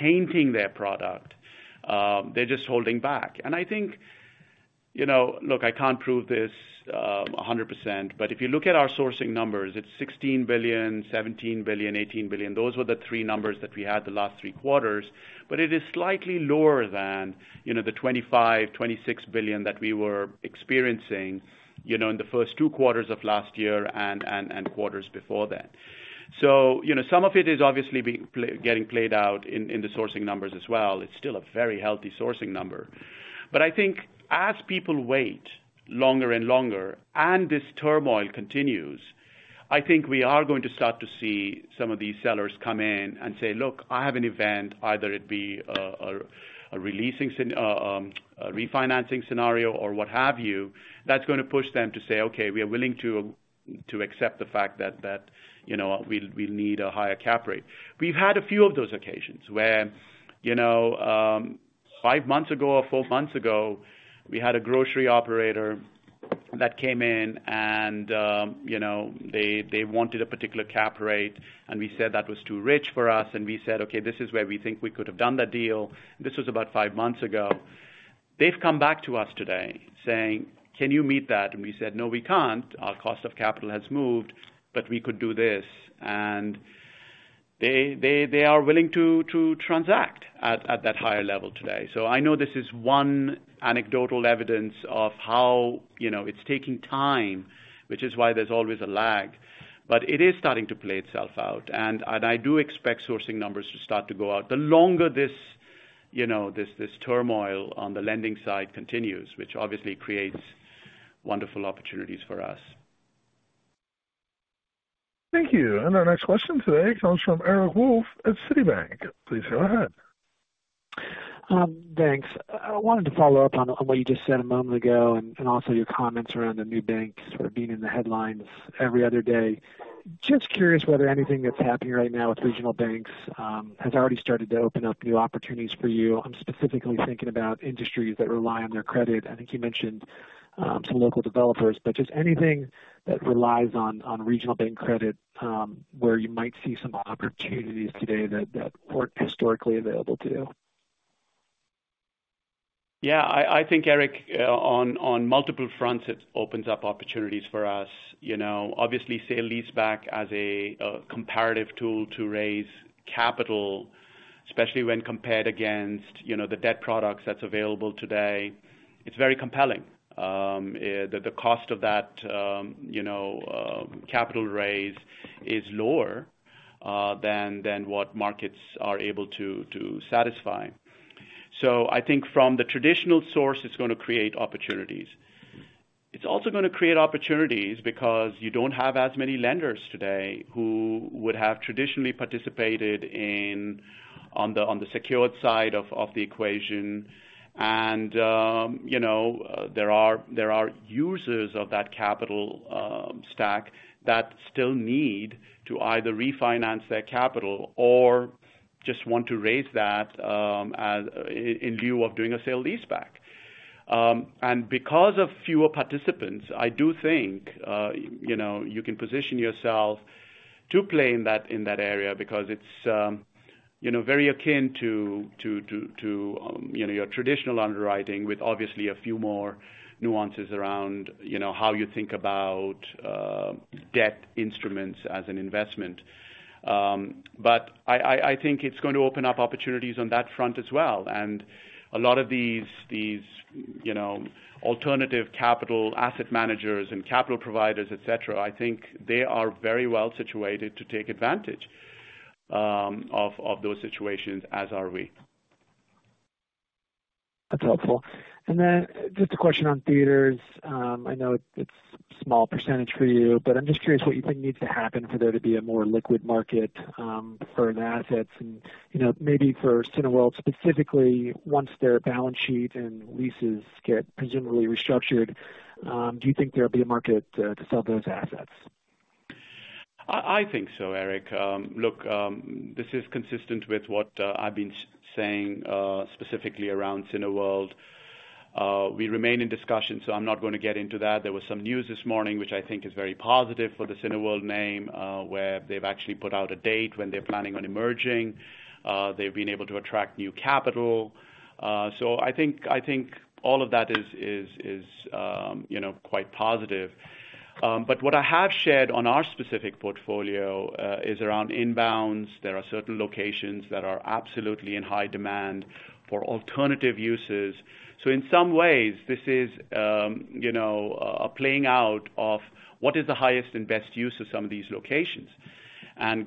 tainting their product, they're just holding back. I think, you know, look, I can't prove this 100%, but if you look at our sourcing numbers, it's $16 billion, $17 billion, $18 billion. Those were the 3 numbers that we had the last 3 quarters. But it is slightly lower than, you know, the $25 billion-$26 billion that we were experiencing, you know, in the first 2 quarters of last year and quarters before that. So, you know, some of it is obviously getting played out in the sourcing numbers as well. It's still a very healthy sourcing number. I think as people wait longer and longer and this turmoil continues, I think we are going to start to see some of these sellers come in and say, "Look, I have an event," either it be a releasing, a refinancing scenario or what have you, that's gonna push them to say, "Okay, we are willing to accept the fact that, you know, we'll need a higher cap rate." We've had a few of those occasions where, you know, 5 months ago or 4 months ago, we had a grocery operator that came in and, you know, they wanted a particular cap rate, and we said that was too rich for us, and we said, "Okay, this is where we think we could have done that deal." This was about 5 months ago. They've come back to us today saying, "Can you meet that?" We said, "No, we can't. Our cost of capital has moved, but we could do this." They are willing to transact at that higher level today. I know this is one anecdotal evidence of how, you know, it's taking time, which is why there's always a lag. It is starting to play itself out. I do expect sourcing numbers to start to go out the longer this, you know, this turmoil on the lending side continues, which obviously creates wonderful opportunities for us. Thank you. Our next question today comes from Eric Wolfe at Citibank. Please go ahead. Thanks. I wanted to follow up on what you just said a moment ago, and also your comments around the new banks sort of being in the headlines every other day. Just curious whether anything that's happening right now with regional banks has already started to open up new opportunities for you. I'm specifically thinking about industries that rely on their credit. I think you mentioned some local developers, but just anything that relies on regional bank credit where you might see some opportunities today that weren't historically available to you. Yeah, I think, Eric, on multiple fronts, it opens up opportunities for us. You know, obviously, sale-leaseback as a comparative tool to raise capital, especially when compared against, you know, the debt products that's available today, it's very compelling. The cost of that, you know, capital raise is lower than what markets are able to satisfy. I think from the traditional source, it's gonna create opportunities. It's also gonna create opportunities because you don't have as many lenders today who would have traditionally participated on the secured side of the equation. You know, there are users of that capital stack that still need to either refinance their capital or just want to raise that as in lieu of doing a sale-leaseback. Because of fewer participants, I do think, you know, you can position yourself to play in that area because it's, you know, very akin to your traditional underwriting with obviously a few more nuances around, you know, how you think about debt instruments as an investment. I think it's going to open up opportunities on that front as well. A lot of these, you know, alternative capital asset managers and capital providers, et cetera, I think they are very well situated to take advantage of those situations, as are we. That's helpful. Just a question on theaters. I know it's small percentage for you, but I'm just curious what you think needs to happen for there to be a more liquid market for the assets and, you know, maybe for Cineworld specifically, once their balance sheet and leases get presumably restructured, do you think there'll be a market to sell those assets? I think so, Eric. Look, this is consistent with what I've been saying specifically around Cineworld. We remain in discussion, so I'm not gonna get into that. There was some news this morning, which I think is very positive for the Cineworld name, where they've actually put out a date when they're planning on emerging. They've been able to attract new capital. I think all of that is, you know, quite positive. But what I have shared on our specific portfolio is around inbounds. There are certain locations that are absolutely in high demand for alternative uses. In some ways, this is, you know, a playing out of what is the highest and best use of some of these locations.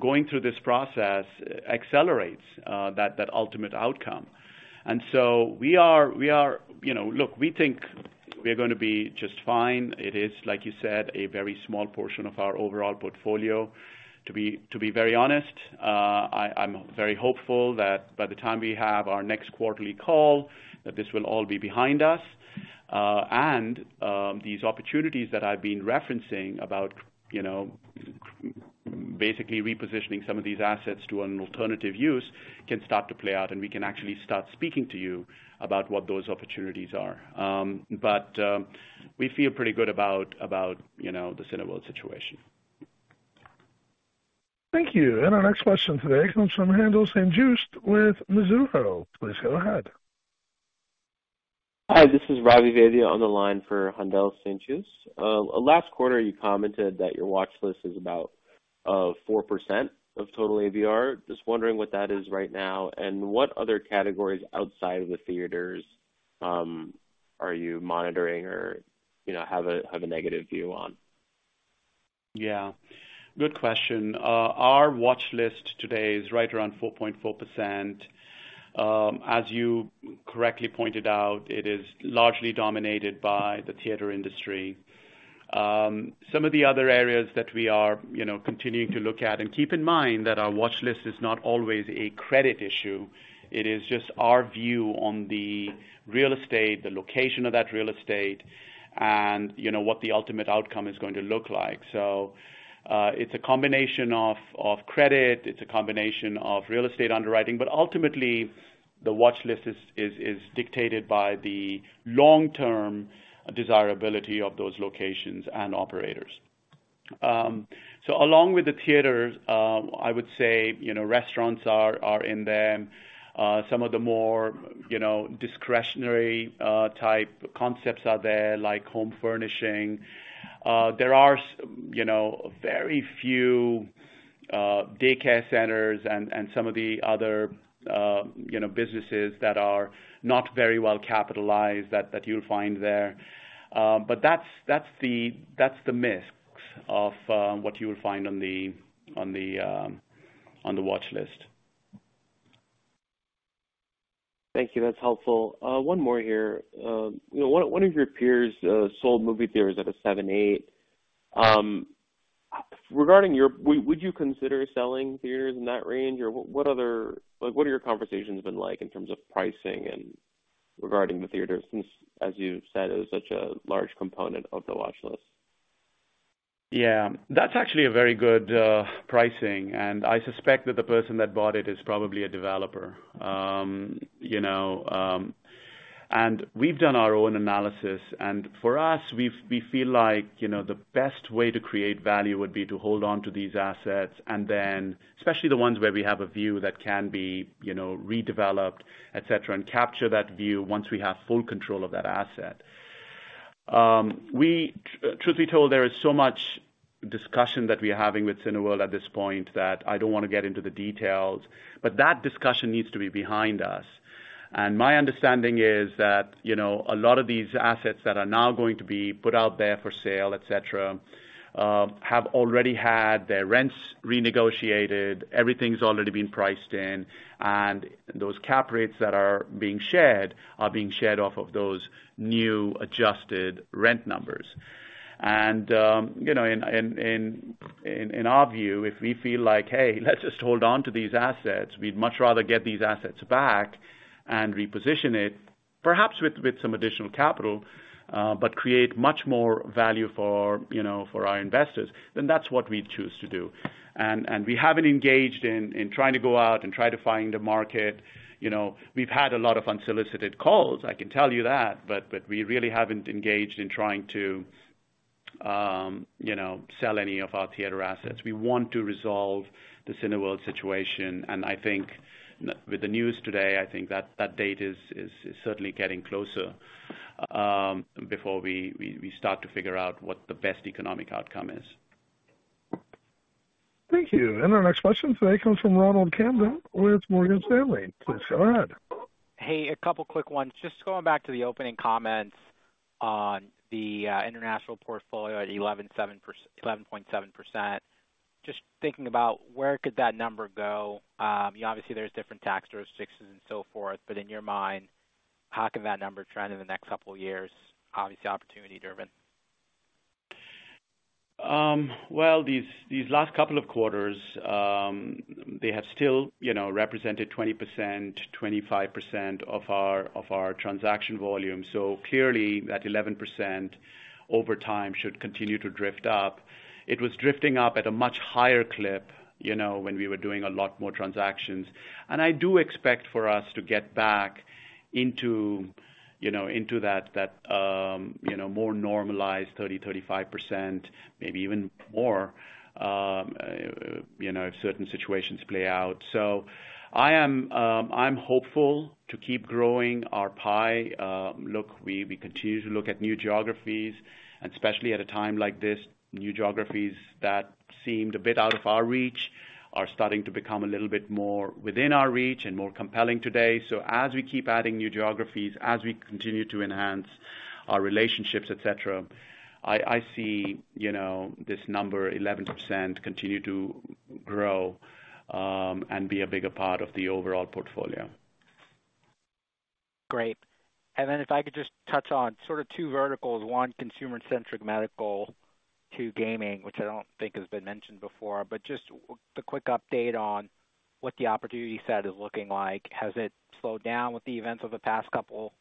Going through this process accelerates that ultimate outcome. We are, you know, look, we think we're gonna be just fine. It is, like you said, a very small portion of our overall portfolio. To be very honest, I'm very hopeful that by the time we have our next quarterly call, that this will all be behind us. These opportunities that I've been referencing about, you know, basically repositioning some of these assets to an alternative use can start to play out, and we can actually start speaking to you about what those opportunities are. We feel pretty good about, you know, the Cineworld situation. Thank you. Our next question today comes from Haendel St. Juste with Mizuho. Please go ahead. Hi, this is Ravi Vaidya on the line for Haendel St. Juste. Last quarter you commented that your watchlist is about 4% of total ABR. Just wondering what that is right now and what other categories outside of the theaters are you monitoring or, you know, have a, have a negative view on? Yeah. Good question. Our watchlist today is right around 4.4%. As you correctly pointed out, it is largely dominated by the theater industry. Some of the other areas that we are, you know, continuing to look at, and keep in mind that our watchlist is not always a credit issue, it is just our view on the real estate, the location of that real estate, and, you know, what the ultimate outcome is going to look like. It's a combination of credit, it's a combination of real estate underwriting, but ultimately, the watchlist is, is dictated by the long-term desirability of those locations and operators. Along with the theaters, I would say, you know, restaurants are in there. Some of the more, you know, discretionary, type concepts are there, like home furnishing. There are, you know, very few daycare centers and some of the other, you know, businesses that are not very well capitalized that you'll find there. That's the mix of what you'll find on the watchlist. Thank you. That's helpful. one more here. you know, one of your peers, sold movie theaters at a 7/8. Would you consider selling theaters in that range? Or Like, what are your conversations been like in terms of pricing and regarding the theaters, since, as you said, it was such a large component of the watchlist? Yeah. That's actually a very good pricing, and I suspect that the person that bought it is probably a developer. You know, and we've done our own analysis, and for us, we feel like, you know, the best way to create value would be to hold on to these assets, and then, especially the ones where we have a view that can be, you know, redeveloped, et cetera, and capture that view once we have full control of that asset. Truth be told, there is so much discussion that we're having with Cineworld at this point that I don't wanna get into the details, but that discussion needs to be behind us. My understanding is that, you know, a lot of these assets that are now going to be put out there for sale, et cetera, have already had their rents renegotiated, everything's already been priced in, and those cap rates that are being shared are being shared off of those new adjusted rent numbers. You know, in our view, if we feel like, "Hey, let's just hold on to these assets," we'd much rather get these assets back and reposition it, perhaps with some additional capital, but create much more value for, you know, for our investors, then that's what we'd choose to do. We haven't engaged in trying to go out and try to find a market. You know, we've had a lot of unsolicited calls, I can tell you that, but we really haven't engaged in trying to, you know, sell any of our theater assets. We want to resolve the Cineworld situation. I think with the news today, I think that date is certainly getting closer, before we start to figure out what the best economic outcome is. Thank you. Our next question today comes from Ronald Kamdem with Morgan Stanley. Please go ahead. Hey, a couple quick ones. Just going back to the opening comments on the international portfolio at 11.7%. Just thinking about where could that number go. Obviously there's different tax jurisdictions and so forth, but in your mind, how can that number trend in the next couple years? Obviously opportunity-driven. Well, these last couple of quarters, they have still, you know, represented 20%, 25% of our transaction volume. Clearly that 11% over time should continue to drift up. It was drifting up at a much higher clip, you know, when we were doing a lot more transactions. I do expect for us to get back into, you know, into that, you know, more normalized 30%-35%, maybe even more, you know, if certain situations play out. I am, I'm hopeful to keep growing our pie. Look, we continue to look at new geographies, and especially at a time like this, new geographies that seemed a bit out of our reach are starting to become a little bit more within our reach and more compelling today. As we keep adding new geographies, as we continue to enhance our relationships, et cetera, I see, you know, this number, 11%, continue to grow and be a bigger part of the overall portfolio. Great. Then if I could just touch on sort of 2 verticals, 1, consumer-centric medical, 2 gaming, which I don't think has been mentioned before, but just the quick update on what the opportunity set is looking like. Has it slowed down with the events of the past couple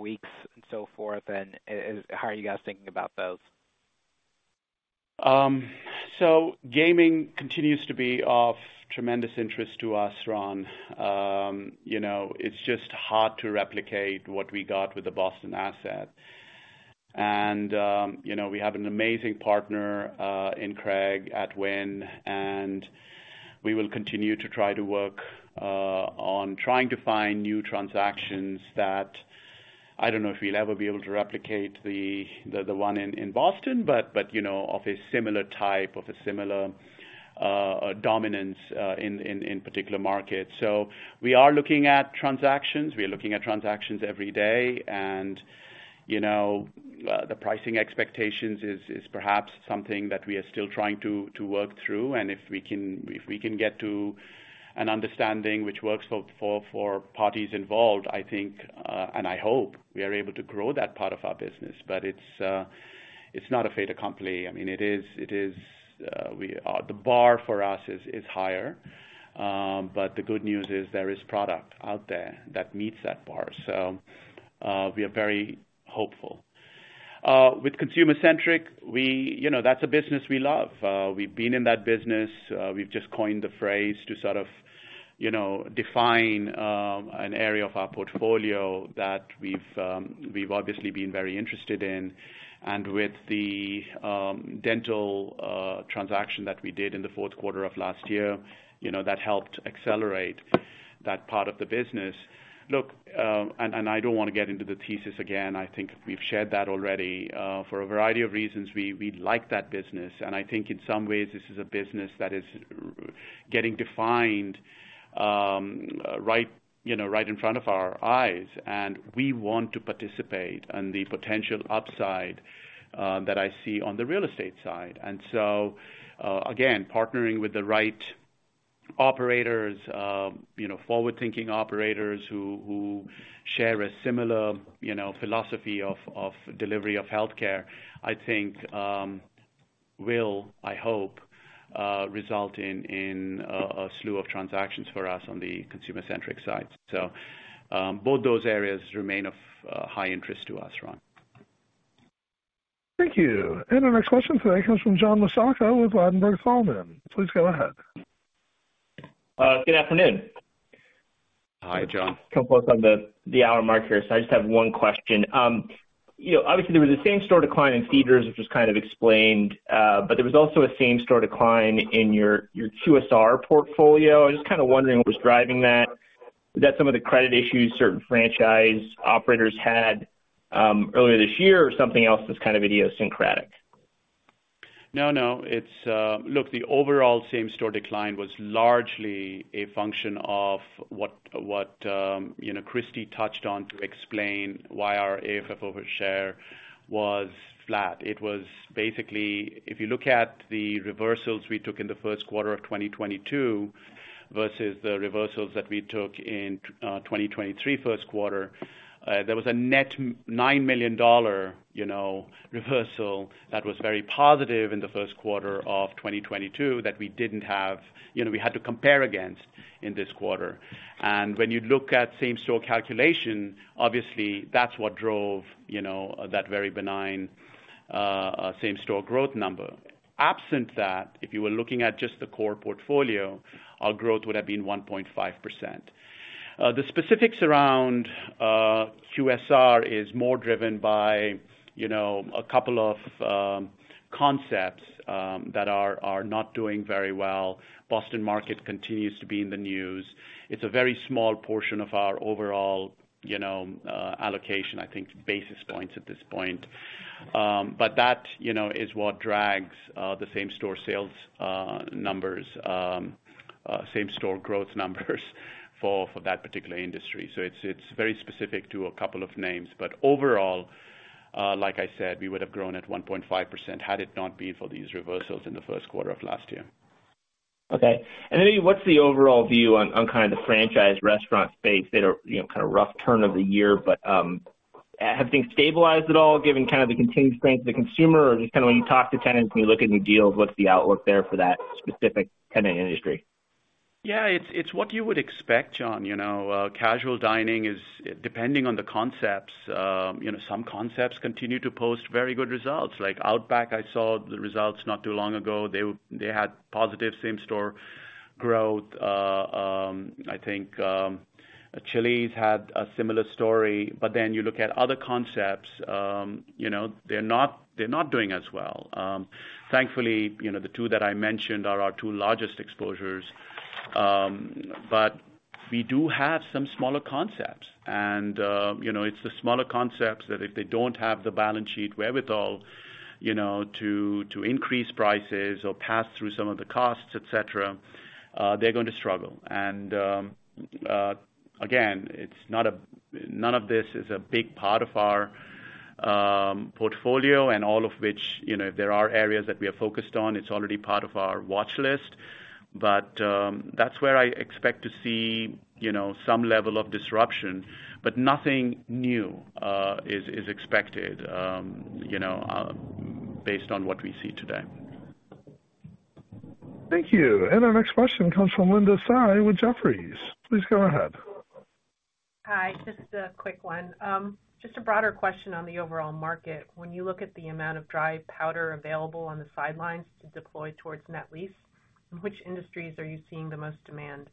weeks and so forth? How are you guys thinking about those? gaming continues to be of tremendous interest to us, Ron. you know, it's just hard to replicate what we got with the Boston asset. you know, we have an amazing partner in Greg at Wynn, and we will continue to try to work on trying to find new transactions that I don't know if we'll ever be able to replicate the one in Boston, but, you know, of a similar type, of a similar dominance in particular markets. We are looking at transactions. We are looking at transactions every day. you know, the pricing expectations is perhaps something that we are still trying to work through. If we can, if we can get to an understanding which works for parties involved, I think, and I hope we are able to grow that part of our business. It's not a fait accompli. I mean, it is... The bar for us is higher. The good news is there is product out there that meets that bar. We are very hopeful. With Consumer-centric, you know, that's a business we love. We've been in that business. We've just coined the phrase to sort of, you know, define an area of our portfolio that we've obviously been very interested in. With the dental transaction that we did in the fourth quarter of last year, you know, that helped accelerate that part of the business. Look, and I don't wanna get into the thesis again. I think we've shared that already. For a variety of reasons, we like that business. I think in some ways this is a business that is getting defined, right, you know, right in front of our eyes, and we want to participate in the potential upside that I see on the real estate side. Again, partnering with the right operators, you know, forward-thinking operators who share a similar, you know, philosophy of delivery of healthcare, I think, will, I hope, result in a slew of transactions for us on the consumer-centric side. Both those areas remain of high interest to us, Ron. Thank you. Our next question today comes from John Massocca with Ladenburg Thalmann. Please go ahead. Good afternoon. Hi, John. Couple close on the hour mark here, so I just have 1 question. you know, obviously there was a same-store decline in theaters, which was kind of explained, but there was also a same-store decline in your QSR portfolio. I was just kind of wondering what was driving that. Was that some of the credit issues certain franchise operators had earlier this year or something else that's kind of idiosyncratic? No, no. It's. Look, the overall same-store decline was largely a function of what, you know, Christie touched on to explain why our AFFO per share was flat. It was basically, if you look at the reversals we took in the first quarter of 2022 versus the reversals that we took in 2023 first quarter, there was a net $9 million, you know, reversal that was very positive in the first quarter of 2022 that we didn't have, you know, we had to compare against in this quarter. When you look at same-store calculation, obviously that's what drove, you know, that very benign same-store growth number. Absent that, if you were looking at just the core portfolio, our growth would have been 1.5%. The specifics around QSR is more driven by, you know, a couple of concepts that are not doing very well. Boston Market continues to be in the news. It's a very small portion of our overall, you know, allocation. I think basis points at this point. That, you know, is what drags the same-store sales numbers same-store growth numbers for that particular industry. It's very specific to a couple of names. Overall, like I said, we would have grown at 1.5% had it not been for these reversals in the 1st quarter of last year. Okay. Then what's the overall view on kind of the franchise restaurant space? They had a, you know, kind of rough turn of the year. Have things stabilized at all, given kind of the continued strength of the consumer? Just kinda when you talk to tenants, when you look at new deals, what's the outlook there for that specific tenant industry? Yeah. It's, it's what you would expect, John. You know, casual dining is depending on the concepts. You know, some concepts continue to post very good results. Like Outback, I saw the results not too long ago. They had positive same-store growth. I think, Chili's had a similar story. You look at other concepts, you know, they're not doing as well. Thankfully, you know, the two that I mentioned are our two largest exposures. We do have some smaller concepts. You know, it's the smaller concepts that if they don't have the balance sheet wherewithal, you know, to increase prices or pass through some of the costs, et cetera, they're going to struggle. Again, it's not none of this is a big part of our portfolio and all of which, you know, there are areas that we are focused on. It's already part of our watch list. That's where I expect to see, you know, some level of disruption, but nothing new is expected, you know, based on what we see today. Thank you. Our next question comes from Linda Tsai with Jefferies. Please go ahead. Hi, just a quick one. Just a broader question on the overall market. When you look at the amount of dry powder available on the sidelines to deploy towards net lease, in which industries are you seeing the most demand?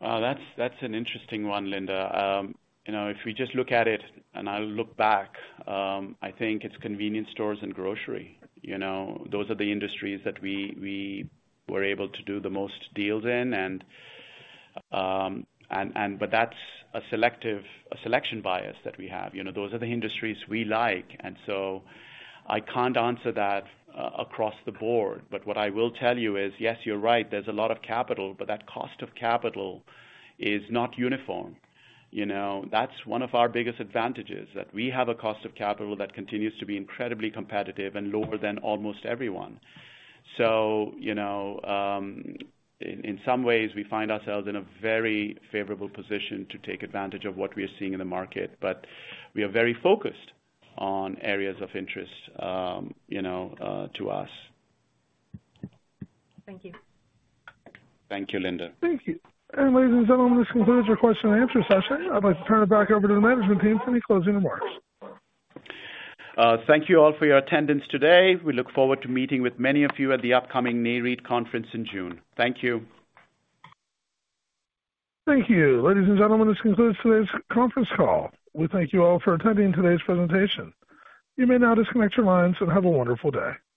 That's an interesting one, Linda. You know, if we just look at it, and I'll look back, I think it's convenience stores and grocery. You know, those are the industries that we were able to do the most deals in, but that's a selection bias that we have. You know, those are the industries we like, I can't answer that across the board. What I will tell you is, yes, you're right, there's a lot of capital, but that cost of capital is not uniform. You know, that's one of our biggest advantages, that we have a cost of capital that continues to be incredibly competitive and lower than almost everyone. you know, in some ways, we find ourselves in a very favorable position to take advantage of what we are seeing in the market. We are very focused on areas of interest, you know, to us. Thank you. Thank you, Linda. Thank you. Ladies and gentlemen, this concludes our question and answer session. I'd like to turn it back over to the management team for any closing remarks. Thank you all for your attendance today. We look forward to meeting with many of you at the upcoming Nareit conference in June. Thank you. Thank you. Ladies and gentlemen, this concludes today's conference call. We thank you all for attending today's presentation. You may now disconnect your lines and have a wonderful day.